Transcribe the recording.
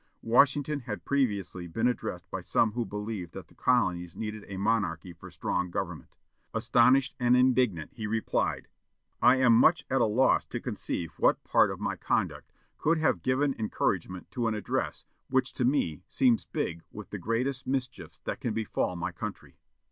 Washington had previously been addressed by some who believed that the Colonies needed a monarchy for strong government. Astonished and indignant, he replied: "I am much at a loss to conceive what part of my conduct could have given encouragement to an address which to me seems big with the greatest mischiefs that can befall my country."